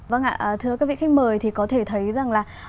vâng ạ thưa các vị khách mời thì có thể thấy rằng là